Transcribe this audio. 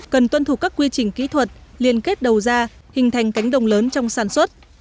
cần tuân thục các quy trình kỹ thuật liên kết đầu ra hình thành cánh đồng lớn trong sản xuất